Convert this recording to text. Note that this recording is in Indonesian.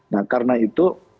nah karena itu